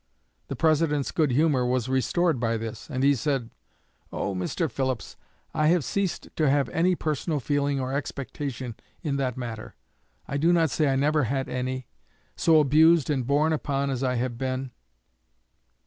The President's good humor was restored by this, and he said: 'Oh, Mr. Phillips, I have ceased to have any personal feeling or expectation in that matter I do not say I never had any so abused and borne upon as I have been.'